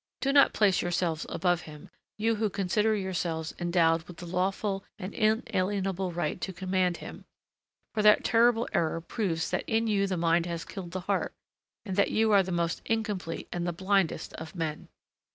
Do not place yourselves above him, you who consider yourselves endowed with the lawful and inalienable right to command him, for that terrible error proves that in you the mind has killed the heart and that you are the most incomplete and the blindest of men!